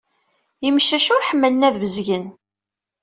Imcac ur ḥemmlen ad bezgen.